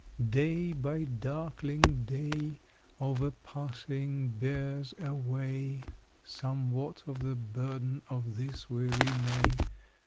XX Day by darkling day, Overpassing, bears away Somewhat of the burden of this weary May.